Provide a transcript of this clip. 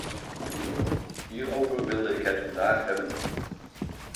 Hierover wilde ik het vandaag hebben.